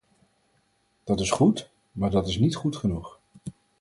Dat is goed, maar dat is niet goed genoeg.